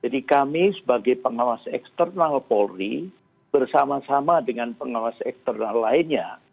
jadi kami sebagai pengawas eksternal polri bersama sama dengan pengawas eksternal lainnya